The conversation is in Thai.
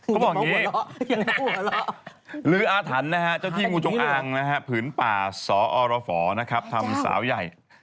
เขาบอกอย่างนี้ลืออาถรรพ์นะฮะเจ้าที่งูจงอางนะฮะผืนป่าสอรฝทำสาวใหญ่